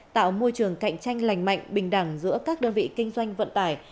tạo môi trường cạnh tranh lành mạnh bình đẳng giữa các đơn vị kinh doanh vận tải